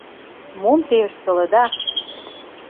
— Мом те ыштылыда!